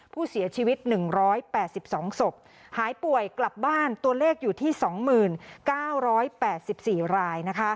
ผู้เสียชีวิต๑๘๒ศพหายป่วยกลับบ้านตัวเลขอยู่ที่๒๙๘๔ราย